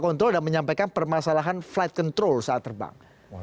captain edward sudah menyampaikan permasalahan flight control saat terbang